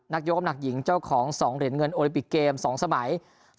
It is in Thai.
ยกน้ำหนักหญิงเจ้าของ๒เหรียญเงินโอลิปิกเกม๒สมัย